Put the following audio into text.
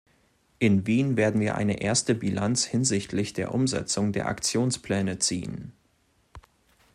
In Wien werden wir eine erste Bilanz hinsichtlich der Umsetzung der Aktionspläne ziehen.